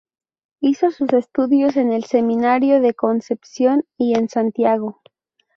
Hizo sus estudios en el Seminario de Concepción y en Santiago.